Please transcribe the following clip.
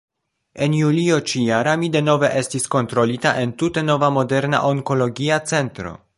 En julio ĉi-jara mi denove estis kontrolita en tute nova moderna onkologia centro.